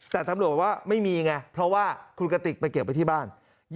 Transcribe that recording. แต่ตำรวจบอกว่าไม่มีไงเพราะว่าคุณกติกไปเก็บไว้ที่บ้าน